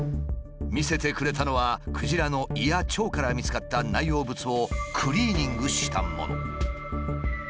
見せてくれたのはクジラの胃や腸から見つかった内容物をクリーニングしたもの。